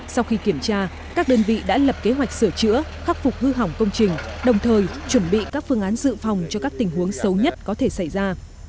sau khi kiểm tra các đơn vị đã lập kế hoạch sửa chữa khắc phục hư hỏng công trình đồng thời chuẩn bị các phương án dự phòng cho các tình huống xấu nhất có thể xảy ra